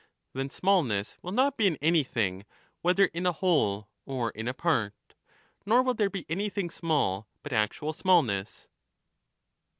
Then smallness will not be in anything, whether in a whole or in a part ; nor will there be anything small but actual smallness.